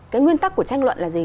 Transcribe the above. cái nguyên tắc của tranh luận là gì